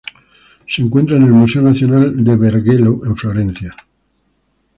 Se encuentra en el Museo Nazionale del Bargello en Florencia.